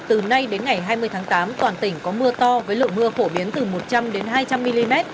từ nay đến ngày hai mươi tháng tám toàn tỉnh có mưa to với lượng mưa phổ biến từ một trăm linh đến hai trăm linh mm